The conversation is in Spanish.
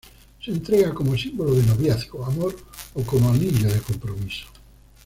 Se entrega como símbolo de noviazgo, amor o como anillo de compromiso.